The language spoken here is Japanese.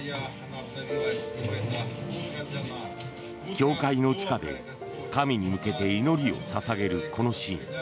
教会の地下で、神に向けて祈りを捧げるこのシーン。